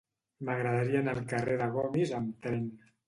M'agradaria anar al carrer de Gomis amb tren.